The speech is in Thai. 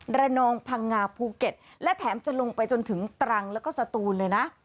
ระนองพังงาภูเก็ตและแถมจะลงไปจนถึงตรังแล้วก็สตูนเลยนะ